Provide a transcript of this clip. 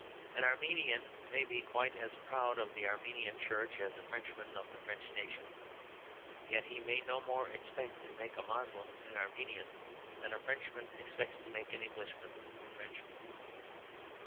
An Armenian may be quite as proud of the Armenian Church as a Frenchman of the French nation, yet he may no more expect to make a Moslem an Armenian than the Frenchman expects to make an Englishman a Frenchman.